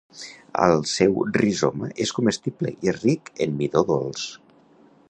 El seu rizoma és comestible i és ric en midó dolç.